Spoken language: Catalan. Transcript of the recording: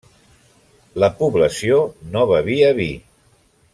La població no bevia vi.